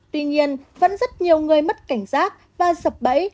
tuy nhiên vẫn rất nhiều người mất cảnh giác và sập bẫy